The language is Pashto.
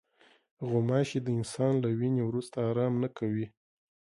غوماشې د انسان له وینې وروسته آرام نه کوي.